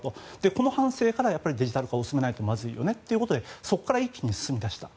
この反省からデジタル化を進めないとまずいよねということでそこから一気に進みだした。